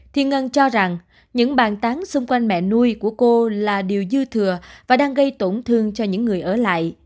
thì ngân cho rằng những bàn tán xung quanh mẹ nuôi của cô là điều dư thừa và đang gây tổn thương cho những người ở lại